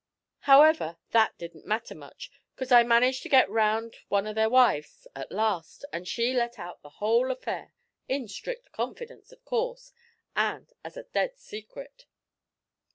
However, that didn't matter much, 'cause I managed to get round one o' their wives at last, and she let out the whole affair in strict confidence, of course, and as a dead secret!